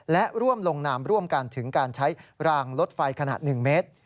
และร่วมลงนามร่วมกันถึงการใช้รางรถไฟขนาด๑เมตร